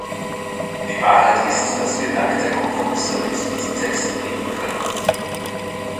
Die Wahrheit ist, dass wir dank der Kompromisse mit diesen Texten leben können.